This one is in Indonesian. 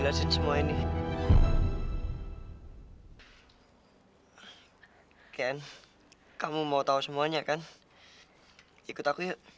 mengapa kamu gak berindos sama kita